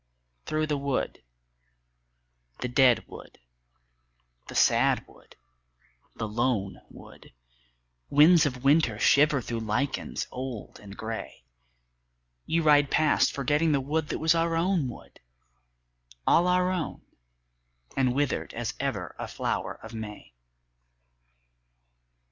Through the wood, the dead wood, the sad wood, the lone wood, Winds of winter shiver through lichens old and grey, You ride past forgetting the wood that was our own wood, All our own and withered as ever a flower of May.